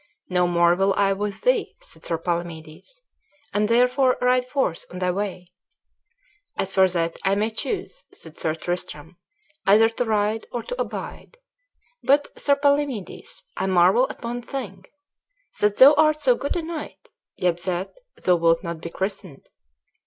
"No more will I with thee," said Sir Palamedes, "and therefore ride forth on thy way." "As for that, I may choose," said Sir Tristram, "either to ride or to abide. But, Sir Palamedes, I marvel at one thing, that thou art so good a knight, yet that thou wilt not be christened."